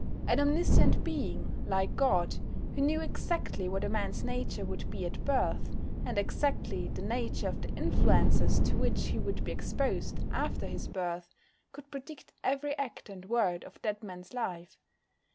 An omniscient being like God who knew exactly what a man's nature would be at birth, and exactly the nature of the influences to which he would be exposed after his birth, could predict every act and word of that man's life.